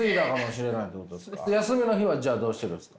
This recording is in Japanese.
休みの日はじゃあどうしてるんですか？